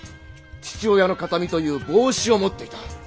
父親の形見という帽子を持っていた。